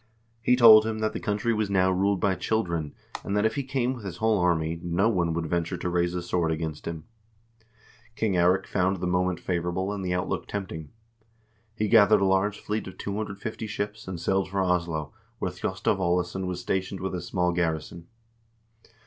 He told him that the country was now ruled by children, and that if he came with his whole army, no one would venture to raise a sword against him. King Eirik found the THE PERIOD OF CIVIL WARS 343 moment favorable and the outlook tempting. He gathered a large fleet of 250 ships, and sailed for Oslo, where Thjostolv Aalesson was stationed with a small garrison.